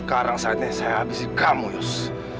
sekarang saatnya saya habisi kamu yus